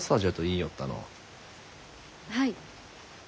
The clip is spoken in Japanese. はい。